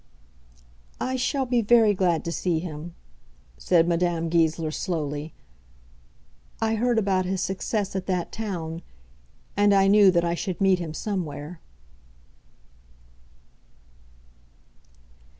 "I shall be very glad to see him," said Madame Goesler, slowly; "I heard about his success at that town, and I knew that I should meet him somewhere."